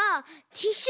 ティッシュ